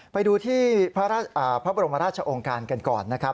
ไปดูที่พระบรมราชองค์การกันก่อนนะครับ